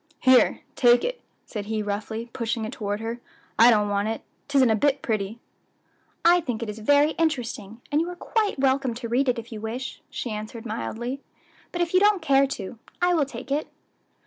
"Here, take it," said he roughly, pushing it toward her; "I don't want it; 'tisn't a bit pretty." "I think it is very interesting, and you are quite welcome to read it if you wish," she answered mildly; "but if you don't care to, I will take it."